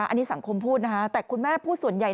อันนี้สังคมพูดนะคะแต่คุณแม่พูดส่วนใหญ่